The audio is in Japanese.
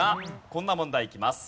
こんな問題いきます。